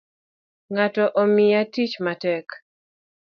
Ngato Omiya tich matek